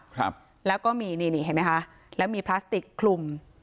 ครับแล้วก็มีนี่นี่เห็นไหมคะแล้วมีพลาสติกคลุม